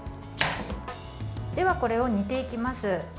では、これを煮ていきます。